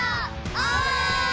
オー！